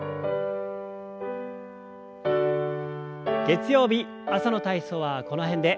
月曜日朝の体操はこの辺で。